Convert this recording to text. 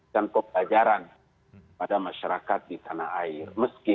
dan pelajaran pada masyarakat di tanah air